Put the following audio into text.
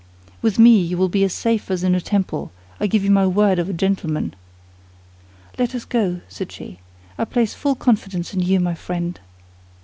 "With me you will be as safe as in a temple; I give you my word of a gentleman." "Let us go," said she, "I place full confidence in you, my friend!"